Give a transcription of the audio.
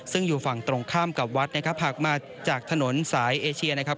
ซึ่งอยู่ฝั่งตรงข้ามกับวัดนะครับหากมาจากถนนสายเอเชียนะครับ